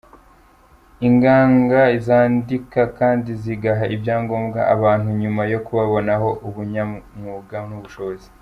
Inganga zandika kandi zigaha ibyangombwa abantu nyuma yo kubabonaho ubunyamwuga n’ubushobozi.